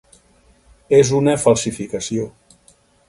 És una falsificació.